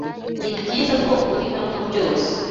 Nibyiza ko uri hano ryose.